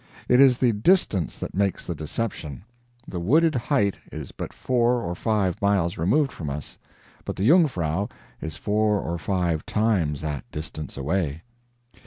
It is the distance that makes the deception. The wooded height is but four or five miles removed from us, but the Jungfrau is four or five times that distance away.